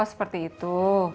oh seperti itu